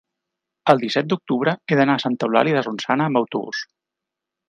el disset d'octubre he d'anar a Santa Eulàlia de Ronçana amb autobús.